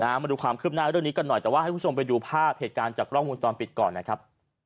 มาดูความคืบหน้าเรื่องนี้กันหน่อยแต่ว่าให้คุณผู้ชมไปดูภาพเหตุการณ์จากกล้องวงจรปิดก่อนนะครับ